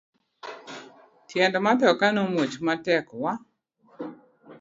Tiend matoka no muoch matek wa.